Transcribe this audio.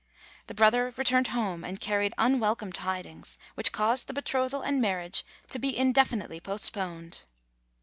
The brother returned home, and carried unwel come tidings which caused the betrothal and marriage to be indefinitely postponed.